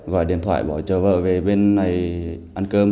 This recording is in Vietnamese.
gọi điện thoại bỏ chờ vợ về bên này ăn cơm